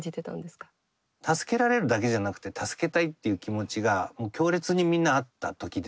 助けられるだけじゃなくて助けたいっていう気持ちが強烈にみんなあった時ですね。